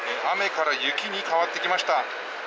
雨から雪に変わってきました。